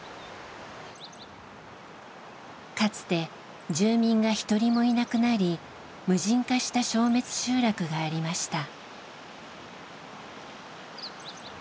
かつて住民が一人もいなくなり無人化した消滅集落がありました。